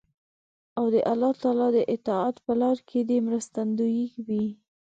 او د الله تعالی د اطاعت په لار کې دې مرستندوی وي.